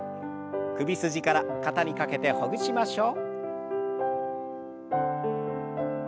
首筋から肩にかけてほぐしましょう。